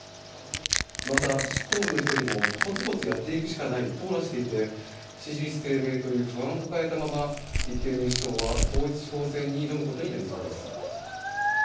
また、執行部の１人もコツコツやっていくしかないと漏らしていて、支持率低迷という不安を抱えたまま立憲民主党は統一地方選に挑むことになりそうです。